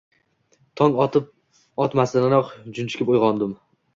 Tong otib-otmasidanoq junjikib uyg‘ondim